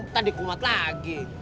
kita dikumat lagi